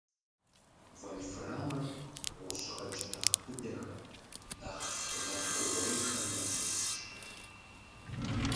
Вольфрамыр гъущӏхэкӏ нэхъ быдэхэм, нэхъ гъэткӏугъуейхэм ящыщщ.